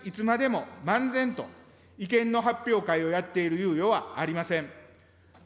しかし、いつまでも漫然と、意見の発表会をやっている猶予はありません。